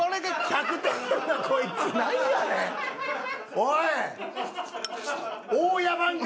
おい！